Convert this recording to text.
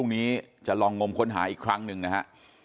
ต้องมีหมดร้านมาแล้วเนาะ